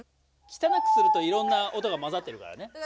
きたなくするといろんな音がまざってるからね。